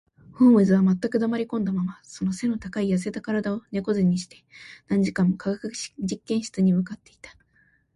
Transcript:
ホームズは全く黙りこんだまま、その脊の高い痩せた身体を猫脊にして、何時間も化学実験室に向っていた